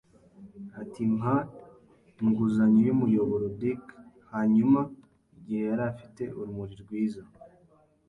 Ati: "Mpa inguzanyo y'umuyoboro, Dick"; hanyuma, igihe yari afite urumuri rwiza,